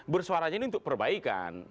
bersuaranya ini untuk perbaikan